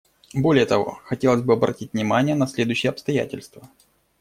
Более того, хотелось бы обратить внимание на следующие обстоятельства.